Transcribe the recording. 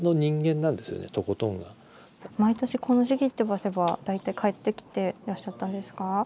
毎年この時期ってばせば大体帰ってきてらっしゃったんですか？